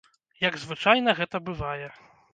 Як звычайна гэта бывае.